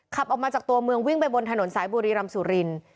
ขับออกมาจากตัวเมืองวิ่งไปบนถนนสายบุรีรำสุรินทร์